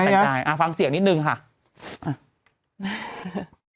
ฟังเสียงนิดหนึ่งค่ะฟังเสียงนิดหนึ่งค่ะฟังเสียงนิดหนึ่งค่ะ